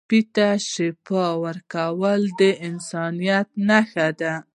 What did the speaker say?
ټپي ته شفا ورکول د انسانیت نښه ده.